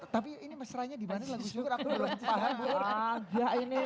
tapi ini mesra nya dimana lagu syukur aku belum paham